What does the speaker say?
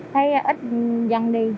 thấy ít dân đi